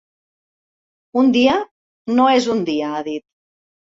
“Un dia no és un dia”, ha dit.